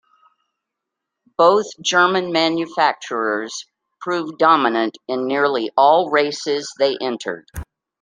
Both German manufacturers proved dominant in nearly all races they entered.